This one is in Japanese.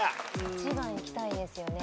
１番いきたいですよね。